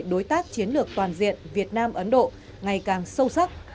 đối tác chiến lược toàn diện việt nam ấn độ ngày càng sâu sắc